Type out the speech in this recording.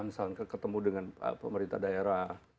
misalkan ketemu dengan pemerintah daerah